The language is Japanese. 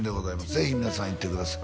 ぜひ皆さん行ってください